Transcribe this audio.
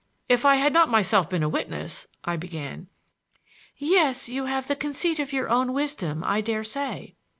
"If I had not myself been a witness—" I began. "Yes; you have the conceit of your own wisdom, I dare say."